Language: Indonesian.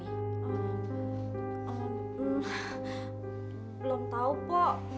belum tau po